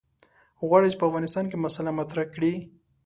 غواړي په افغانستان کې مسأله مطرح کړي.